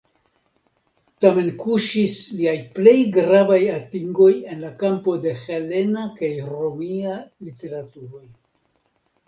Tamen kuŝis liaj plej gravaj atingoj en la kampo de helena kaj romia literaturoj.